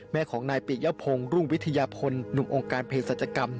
แม่ของนายปิยพงศ์รุ่งวิทยาพลหนุ่มองค์การเพศสัจกรรม